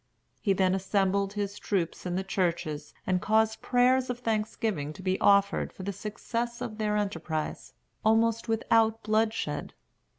He then assembled his troops in the churches and caused prayers of thanksgiving to be offered for the success of their enterprise, almost without bloodshed.